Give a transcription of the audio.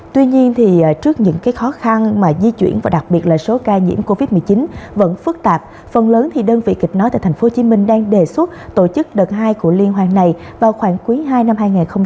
tuy nhiên trước những khó khăn mà di chuyển và đặc biệt là số ca nhiễm covid một mươi chín vẫn phức tạp phần lớn thì đơn vị kịch nói tại tp hcm đang đề xuất tổ chức đợt hai của liên hoan này vào khoảng quý hai năm hai nghìn hai mươi